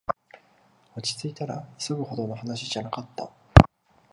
落ちついたら、急ぐほどの話じゃなかった